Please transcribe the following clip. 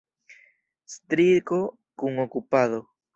Striko kun okupado.